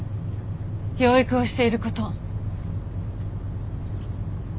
養育をしていること」。